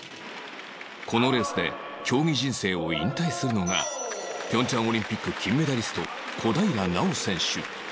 このレースで競技人生を引退するのが平昌オリンピック金メダリスト小平奈緒選手